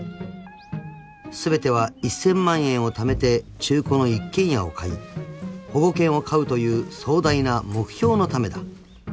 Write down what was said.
［全ては１，０００万円をためて中古の一軒家を買い保護犬を飼うという壮大な目標のためだ］